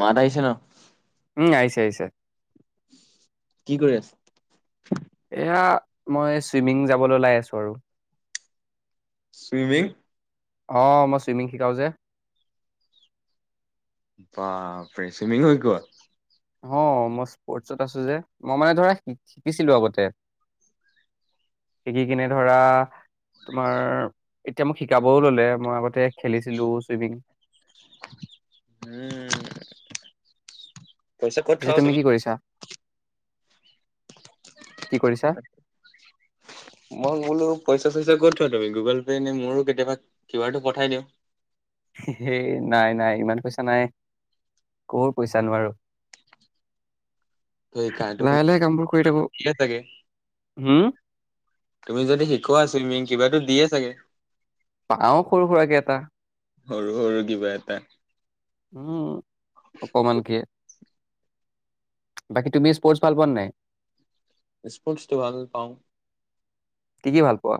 মাত আহিছে ন উম, আহিছে আহিছে। কি কৰি আছে? এয়া মই চুইমিং যাবলৈ উলাই আছো আৰু। সুইমিং? অ, মই চুইমিং শিকাও যে। বাপৰে চুইমিং শিকোৱা? অ, মই স্পৰ্টচত আছো যে মই মানে ধৰা শিকিছিলো আগতে। শিকি কিনে ধৰা তোমাৰ এতিয়া মোক শিকাবও ললে মই আগতে খেলিছিলো চুইমিং। উম। পইচা ক'ত পিছে থোৱা অ তুমি কি কৰিছা? কি কৰিছা? মই বোলো পইচা পাইচা চইচা ক'ত থোৱা তুমি? গুগল পে' নে মোৰো কেতিয়াবা কিউ আৰটো পঠাই দিওঁ। হেই নাই নাই ইমান পইচা নাই, কৰ পইচা নোৱাৰো ত' শিকা তুমি লাহে লাহে কামবোৰ কৰি থাকো, দিয়ে চাগে হম তুমি যদি শিকোৱা চুইমিং কিবাতো দিয়ে চাগে? পাও সৰু সুৰাকে এটা। সৰু-সৰু কিবা এটা উম, অকমানকে বাকী তুমি স্পৰ্টছ ভাল পোৱা নে নাই? স্পৰ্টছটো ভাল পাওঁ কি কি ভাল পোৱা?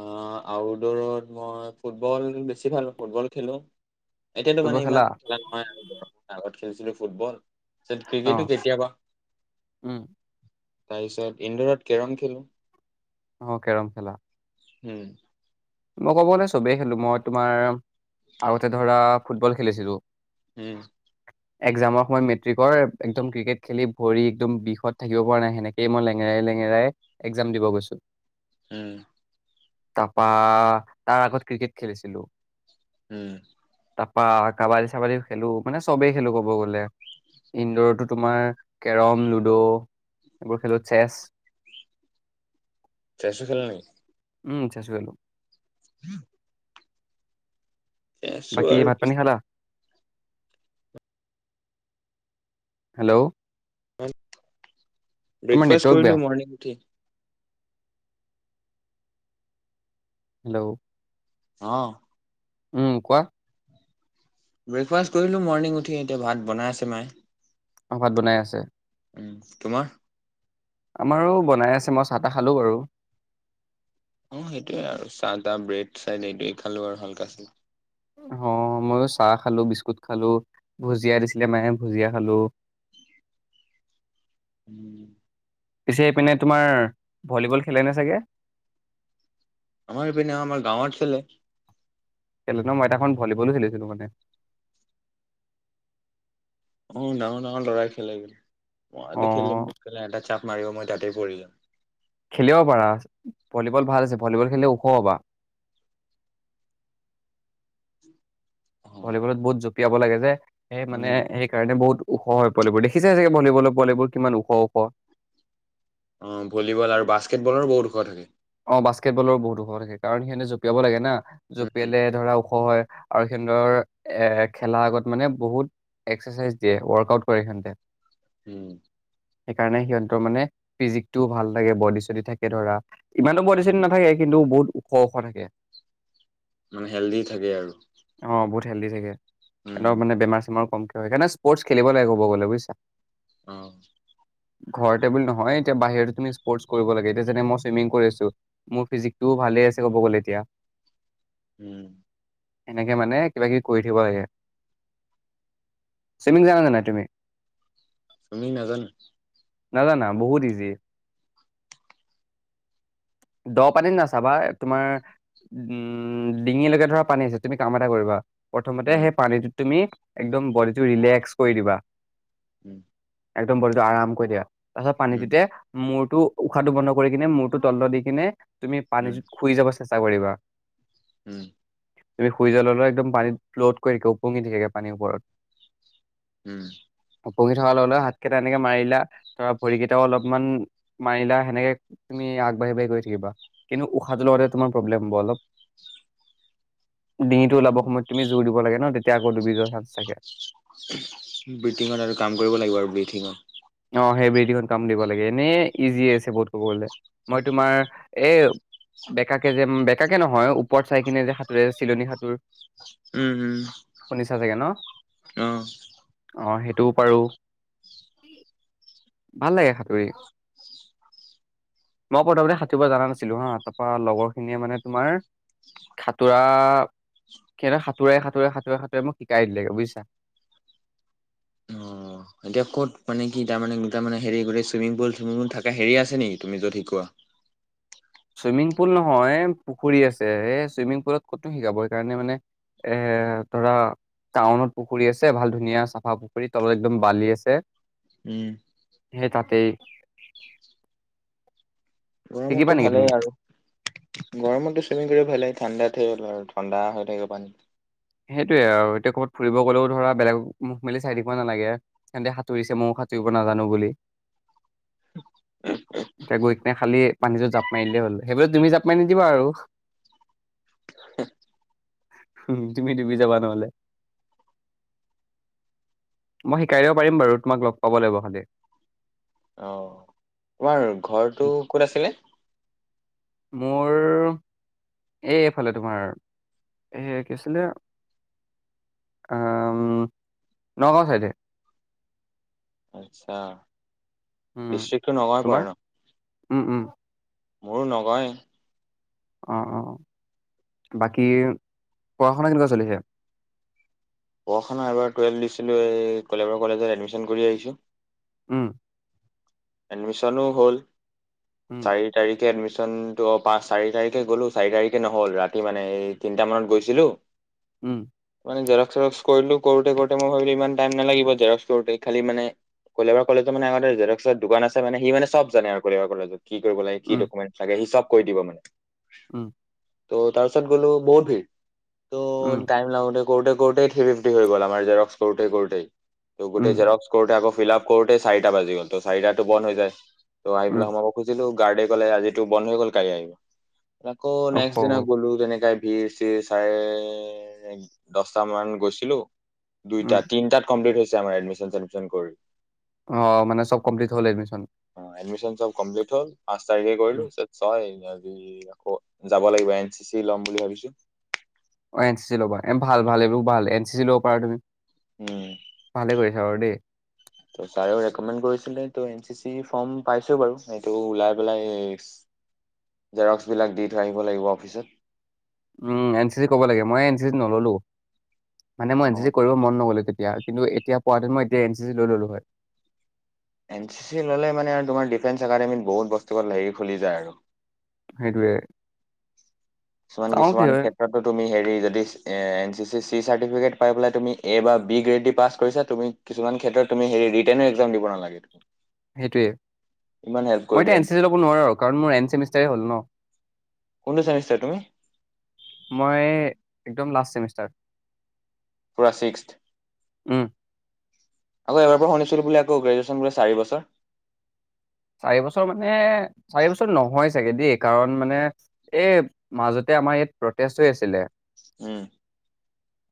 অ, আউটডৰত মই ফুটবল বেছি ভাল ফুটবল খেলো এতিয়াতো মানে ইমান খেলা নহয় আৰু আগত খেলছিলো ফুটবল অ', ক্ৰিকেটো কেতিয়াবা উম, তাৰ পিছত, ইঁডৰত কেৰম খেলো। অ, কেৰম খেলা উম। মই ক'ব ন চবেই খেলো মই তোমাৰ। আৰু এটাধৰা। ফুটবল খেলিছিলোঁ। উম। একজামৰ সময়ত মেট্ৰিকৰ একদম ক্ৰিকেট খেলি ভৰি একদম বিষত থাকিব পৰা নাই, সেনেকেইে মই লেঙেৰাই লেঙেৰাই এক্জাম দিব গৈছো। উম। তাপা। আহ তাৰ আগত ক্ৰিকেট খেলিছিলো। উম। তাৰপৰা কাবাডী চাবাডী খেলো মানে চবেই খেলোঁ, ক'ব গ'লে ইনডোৰৰতো তোমাৰ কেৰম লুডো এইবোৰ খেলো। চেছো খেলনি [unintelligible] উম চেছু খেলো। উম [unintelligible] বাকী আৰু ভাত পানী খালা? হেল্ল'। অঁ। তোমাৰ ব্ৰেকফাষ্ট নেটৱৰ্ক বেয়া। কৰিলো মৰ্নিং উঠি। হেল্ল'। অহ। উম কোৱা। ব্ৰেকফাষ্ট কৰিলো মৰ্ণিং উঠি এতিয়া ভাত বনাই আছে মায়। অহ বনাই আছে। উম তোমাৰ? আমাৰো বনাই আছে, মই চাহ তাহ খালোঁ বাৰু। অ সেইটোৱে আৰু চাহ তাহ ব্ৰেড চাইড এইটোৱেই খালোঁ আৰু হালকা চাই আহ মই চাহ খালো, বিস্কুট খালো ভুজিয়া দিছিলে মায়ে ভুজিয়া খালো। উম। পিছে সেপিনে তোমাৰ ভলীবল খেলেনে চাগে? আমাৰ পিনে আমাৰ গাঁৱত খেলে। খেলনো সেইদিনাখন ভলীবলো খেলিছিলো মানে অ ডাঙৰ ডাঙৰ লৰাই খেলে গে অ আজি খেলে নে নেখেলে এয়াতে চাম। মাৰিব মই তাতেই পৰি যাম। খেলিব পাৰা ভলীবল ভাল আছে ভলীবল খেলি ওখ হবা। অ ভলীবলত বহুত জপীয়া জপিয়াব লাগে যে সেই মানে উম, সেইকাৰণে বহুত ওখ হয় পোৱালিবোৰ দেখিছোই চাগে ভলীবলৰ পোৱালিবোৰ কিমান ওখ ওখ অ ভলীবল আৰু বাস্কেটবলৰো বহুত ওখ থাকে। বাস্কেত বলৰ বহুত ওখ থাকে কাৰণ সিহঁতে জঁপিয়াব লাগে না। উম, জঁপিয়ালে ধৰা ওখ হয়। আৰু সিহঁতৰ এ খেলা আগত মানে বহুত এক্সাৰচাইজ দিয়ে ৱৰ্কআউট কৰে সিহঁতে উম সেইকাৰণে সিহঁতৰ মানে ফিজিকটোও ভাল লাগে বডি চডি থাকে ধৰা ইমানো বডি উম, চডি নাথাকে কিন্তু বহুত ওখ ওখ থাকে মানে হেল্ডি থাকে আৰু হেল্দি থাকে উম, এনক মানে বেমাৰ চেমাৰ সেইকাৰণে স্পৰ্টছ খেলিব লাগে ক'ব গলে বুইছা ওহ ঘৰতেবুলি নহয় এতিয়া বাহিৰত তুমি স্পৰ্ট কৰিব লাগে এতিয়া যেনে মই চুইমিং কৰিছো মোৰ ফিজিকটোও ভালে আছে ক'ব গ'লে এতিয়া উম এনেকে মানে কিবা কিবি কৰি থাকিব লাগে চুইমিং জানা নে নাই তুমি? চুইমিং নাজানো নাজানা বহুত ইজি দ পানীত নাচাবা তোমাৰ উম ডিঙিলৈকে ধৰা পানী আছে তুমি কাম এটা কৰিবা প্ৰথমতে উম, সেই পানীটো তুমি একদম বডিটো ৰিলেক্স কৰি দিবা উম একদম বডিটো আৰাম কৰি দিয়া তাৰপিছত উম। পানীটোতে মূৰ টো উশাহটো বন্ধ কৰি কিনে মূৰটো তল দি কিনে তুমি পানী উম, য শুই যাব চেষ্টা টা কৰিবা উম তুমি শুই যোৱাৰ লগে লগে একদম পানীত ফ্ল'ত কৰি থাকে ওপঙি থাকে পানীৰ ওপৰত উম ওপঙি থকাৰ লগে লগে হাতকেইটা এনেকে মাৰিলা ধৰা ভৰিকেইটাও অলপমান মাৰিলা সেনেকে তুমি আগবাঢ়ি বাঢ়ি গৈ থা কিবা কিন্তু উশাহটো লগতে তোমাৰ প্ৰব্লেম হ'ব অলপ ডিঙিটো ওলাব সময়ত তুমি জোৰ দিব লাগে ন তে তেতিয়া আকৌ ডুবি যোৱাৰ চান্স থাকে ব্ৰিথিঙত আৰু কাম কৰিব লাগিব আৰু ব্ৰিথিঙত অ সেই ব্ৰডিঙত কাম দিব লাগে এনে ইজি আছে বহুত ক'ব গ'লে মই তোমাৰ এ বেকাকে যে বেকাকে নহয় ওপৰত চাই কিনে যে সাঁতোৰে চিলনী সাঁতোৰ উম উম নিছা চাগে ন অহ অ সেইটোও পাৰোঁ ভাল লাগে সাঁতুৰি মই প্ৰথমতে সাঁতুৰিব জানা নাছিলো হা তাপা লগৰ খিনিয়ে মানে তোমাৰ সাতোৰা সিহঁতে সাঁতোৰাই সাঁতোৰাই সাঁতোৰাই সাঁতোৰাই মোক শিকাই দিলেগে বুয়িছা অ এতিয়া ক'ত মানে কি তাৰ মানে মিটা মানে হেৰি গৰি চুইমিং পুল চুইমিং পুল থাকে হেৰি আছে নেকি তুমি য'ত শিকোৱা চুইমিং পুল নহয় পুখুৰী আছে এ চুইমিং পুলত ক'তনো শিকাব সেইকাৰণে মানে এ ধৰা টাউনত পুখুৰী আছে ভাল ধুনীয়া চাফা পুখুৰী তলত একদম বালি আছে উম সে তাতেই শিকিবা গৰমতটো নেকি ভালেই তুমি আৰু গৰমতো চুইমিং কৰিব ভালেই ঠাণ্ডাত থলো আৰু ঠাণ্ডা হৈ থাকিব পানী সেইটোৱে আৰু এতিয়া ক'ৰবাত ফুৰিব গলেও ধৰা বেলেগ মুখ মেলি চাই থাকিব নালাগে সেতে সাঁতুৰিছে ময়ো সাঁতুৰিব নাজানো বুলি ত গৈ খালি পানীটোত জাপ মাৰি দিলেই হ'ল সেইবুলি তুমি জাপ মাৰি নি দিবা আৰু হোম তুমি ডুবি যাবা নহ'লে মই শিকাই দিব পাৰিম বাৰু তোমাক লগ পাব লাগিব খালি অ তোমাৰ ঘৰটো ক'ত আছিলে মোৰ এই এইফালে তোমাৰ এই কি আছিলে আ উম নগাঁও চাইডে আচ্ছা উম ডিষ্ট্ৰিক্টো নগাঁও তোমাৰ পৰে ন উম উম মোৰো নগাঁৱে অ অ বাকী পঢ়া শুনা কেনেকুৱা চলিছে পঢ়া শুনা এইবাৰ টুৱেল্ভ দিছিলোঁ এই কলেবাৰ কলেজত এডমিচন কৰি আহিছোঁ উম এডমিচনো হ'ল উম চাৰি তাৰিখে এডমিচন এদমিচনটো পাঁচ চাৰি তাৰিখে গ'লো চাৰি তাৰিখে নহ'ল ৰাতি মানে তিনিটা মানত গৈছিলো উম আমি জেৰক্স চেৰক্স কৰিলোঁ কৰোতে কৰোতে মই ভাবিলো ইমান টাইম নেলাগিব জেৰক্স কৰোঁতে খালি মানে কলেবাৰ কলেজৰ মানে আগতে জেৰক্স জেৰক্সৰ দোকান আছে মানে সি মানে চব জানে আৰু কলেবাৰ কলেজৰ কি কৰিব লাগ কি উম ডকমেণটচ লাগে সি চব কৈ দিব মানে উম ত' তাৰপিছত গ'লো বহুত ভি়ৰ। তটো উম টাইম লাগতে কৰোতে কৰোতেই থ্ৰী ফিফটি হৈ গল আমাৰ জেক্স কৰোতে ক কৰোতেই। ত উম গোটেই জেৰক্স ক আক ফিল আপ কৰোতে ই চাৰিটা বাজি গল। ত চাৰিদাতটো বন্ধ হৈ যায়। ত উম আহিপিনে সোমাব খুজছিলো গাৰড এ কলে আজিটো বন্ধ হৈ গ'ল কাইলে আহিবি। আকৌ অহ নেক্সট দিনা গ'লো যেনেকাই ভিৰ চিৰ চাই দছটা মান গৈছিলো উম দুইটা, তিনাত কমপ্লট হৈছে, আমাৰ এডমিশন চডমিশন কৰি। অ মানে চব কমপ্লিট হ'ল এডমিচন? অ এডমিশন চব কমপ্লিট হল পাছ তাৰিখে কৰিলোঁ, চয় আজি আকৌ যাব লাগিব এন চি চি ল'ম বুলি ভাবিছো। অ এন চি চি ল'বা এ ভাল ভাল এইবোৰ ভাল এন চি চি ল'ব পাৰা তুমি উম ভালে কৰিছা বাৰু দেই চাৰে কমেণ্ট কৰিছিলে ত' এন চি চি ফৰ্ম পাইছো বাৰু সেইটো ওলাই পেলাই জেৰক্সবিলাক দি থৈ আহিব লাগিব অফিচত উম এন চি চি কব লাগে মই এন চি চিত নললো। মানে মই এন অ চি চি কৰিব মন নগ'ল তেতিয়া। কিন্তু এতিয়া পোবাহেতেন মই এতিয়া এন চি চি লৈ ল'লোঁ হয়। এন চি চি ল'লে মানে আৰু তোমাৰ ডিফেন্স একাডেমীত বহুত বস্তুক হেৰি খুলি যায় আৰু। সেইটোৱে কিছুমান চাওঁ কি কিছুমান হয় ক্ষেত্ৰতো তুমি হেৰি যদি, N C C C certificate পাই পেলাই তুমি এ বা বি গ্ৰেড দি পাছ কৰিছা তুমি কিছুমান ক্ষেত্ৰত তুমি হেৰি ৰিটেৰ্ণ এক্সাম দিব নালাগে। সেইটোৱে ইমান হেল্প কৰি মই এতিয়া দিয়ে এন চি চি ল'ব নোৱাৰোঁ কাৰণ মোৰ এণ্ড চেমিষ্টাৰেই হ'ল ন। কোনটো চেমিষ্টাৰ তুমি মই একদম লাষ্ট ছেমিষ্টাৰ। পুৰা ছিক্সট? উম আকৌ এবাৰ পৰা শুনিছিলো বুলি আকৌ গ্ৰেজুৱেচন বোলে চাৰি বছৰ। চাৰি বছৰ মানে চাৰি বছৰ নহয়। চাগে দেই কাৰণ মানে এই মাজতে আমাৰ ইয়াত প্ৰটেষ্ট হৈ আছিলে। উম।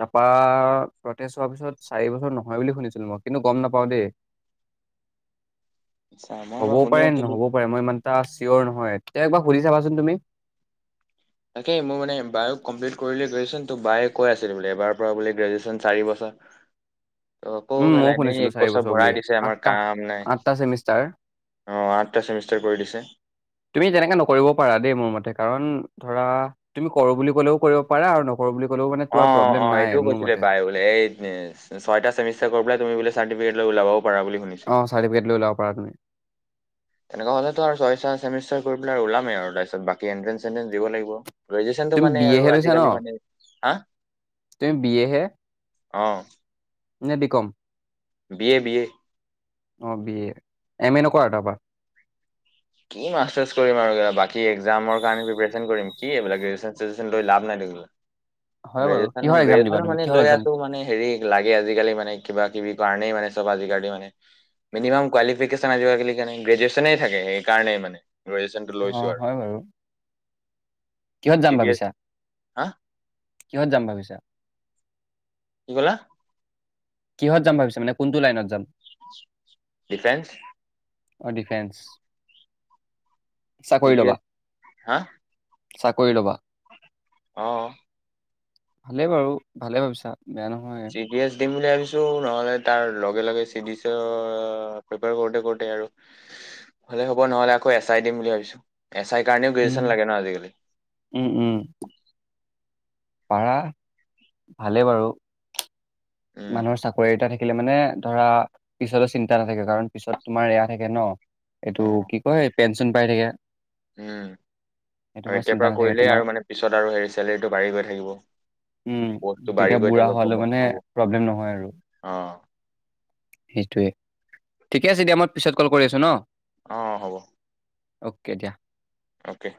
তাৰপা প্ৰটেষ্ট হোৱাৰ পিছত চাৰি বছৰ নহয় বুলি শুনিছিলো মই কিন্তু গম নাপাওঁ দেই আচ্ছা মই হ'ব এবাৰ শুনি পাৰে আছিলো নহ'ব পাৰে মই ইমান এটা চিয়ৰ নহয় তে একবাৰ সুধি চাবাচোন তুমি। তাকেই মোৰ মানে বায়ো কমপ্লিট কৰিলো গ্ৰেজুৱেশচন তোক বায়ে কৈ আছিল বোলে এবাৰ পৰা বোলে গ্ৰেজুৱেশচন চাৰি বছৰ ত' আকৌ উম কেলা মইয়ো এনেই শুনিছিলো এক চাৰি বছৰ ভৰাই বুলিয দিছে আমাৰ আঠটা কাম নাই আঠটা চেমষ্টাৰ, অ আঠটা চেমিষ্টাৰ কৰি দিছে তুমি তেনেকে নকৰিব পাৰা দেই মোৰ মতে কাৰণ ধৰা তুমি কৰো বুলি ক'লেও কৰিব পাৰা আৰু নকৰো বুলি ক'লেও মানে অ তোমাৰ অ প্ৰব্লেম অ নাই এইটোও মোৰ কৈছিলে মতে বাই বোলে এই ছয়টা ছেমি কৰি পেলে তুমি বোলে চাৰ্টিফিকেট লৈ ওলাব অ চাৰ্টিফিকেট লৈ ওলাব পাৰা তুমি। তেনেকা হ'লেতো আৰু ছয় চা চেমিষ্টাৰ কৰি পেলাই ওলামেই আৰু তাৰপিছত বাকী এট্ৰে এট্ৰেঞ্চ দিব লাগিব। গ্ৰেজুৱেচনটো তুমি বি মানে এহে আৰু লৈছা ন আজিকালি মানে হা তুমি বি এ হে অ নে B com? B A B A. অ বি এ এম এ নকৰা তাৰপা? কি মাষ্টাৰছ কৰিম আৰু বাকী এক্জামৰ কাৰণে প্ৰিপেচন কৰিম কি এইবিলাক গ্ৰেজুৱেচন চেজুৱেচন লাভ নাই ত হয় এইবিলাক। বাৰু কিহৰ গ্ৰেজুয়েচন এক্সাম দিবা গ্ৰেজুয়েচনো তুমি মানে কিহৰ লৈ এক্সাম আছো মানে হেৰি লাগে আজিকালি মানে কিব কিবি কাৰণে মানে চব আজিকাল মানে মিনিমাম কোৱালিফিকেচন আজি কালি কাৰণে গ্ৰেজুৱে্চনে থাকে সেইকাৰণেই মানে। গ্ৰেজুয়েচনটো অ লৈছোঁ আৰু। হয় বাৰু কিহত যাম চি ডি এছ ভাবিছা? হা কিহত যাম ভাবিছা? কি ক'লা? কিহত যাম ভাবিছা মানে কোনটো লাইনত যাম? ডিফেন্স। অ ডিফেন্স। চাকৰি ল'বা, [unintelligible] হা? চাকৰি ল'বা? অ। ভালে বাৰু ভালে ভাবিছা। বেয়া নহয়। চিডি এছ ডিম বুলি ছো নহলে তাৰ লগে লগে চিডিচ ও পিপাৰ কৰোতে কৰোঁতে আৰু হলে হ'ব নহলে আকৌ এছ আই দিম বুলি ভাবিছো। এছ আইৰ কাৰণেও উম। গ্ৰেজুৱেচন লাগে ন আজিকালি। উম, উম, পাৰা ভালেই বাৰু। উম মানুহৰ চাকৰি এটা থাকিলে মানে ধৰা পিছতো চিন্তা নাথাকে কাৰণ পিছত তোমাৰ এয়া থাকে ন। অ এইটো কি কয় পেঞ্চন পাই থাকে। উম সেইটো আৰু মানে এতিয়াৰ চিন্তা পৰা নাথাকে কৰিলেই তোমাৰ আৰু মানে পিছত আৰু হে চেলেৰিটো বাঢ়ি গৈ থাকিব। উম, পচটো তেতিয়া বাঢ়ি গৈ বুঢ়া থাকিব হোৱালৈ মানে প্ৰমোচন হব। প্ৰব্লেম নহয় আৰু অ সেইটোৱে। ঠিক আছে এতিয়া মই পিছত কল কৰি আছো ন অ হ'ব অ'কে দিয়া অ'কে